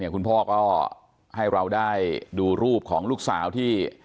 คุณพ่อก็ให้เราได้ดูรูปของลูกสาวที่